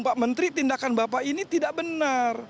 pak menteri tindakan bapak ini tidak benar